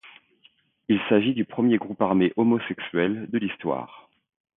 Il s'agit du premier groupe armé homosexuel de l'histoire.